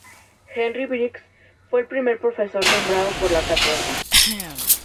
Henry Briggs fue el primer profesor nombrado para la cátedra.